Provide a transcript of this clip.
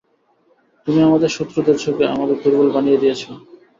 তুমি আমাদের শত্রুদের চোখে আমাদের দুর্বল বানিয়ে দিয়েছো।